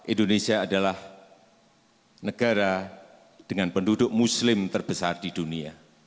indonesia adalah negara dengan penduduk muslim terbesar di dunia